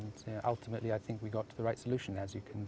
dan akhirnya saya pikir kita mendapatkan solusi yang benar